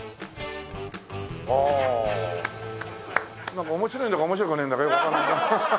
なんか面白いんだか面白くねえんだかよくわかんない。